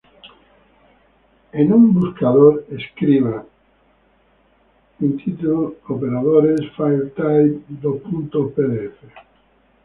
En el buscador de Google escriba intitle:Google Operadores filetype:pdf.